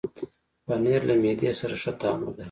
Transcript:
پنېر له معدې سره ښه تعامل لري.